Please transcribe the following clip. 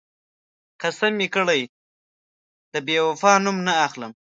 قسم مې کړی، د بېوفا نوم نه اخلم.